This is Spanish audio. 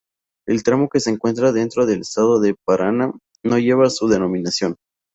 El tramo que se encuentra dentro del estado de Paraná no lleva su denominación.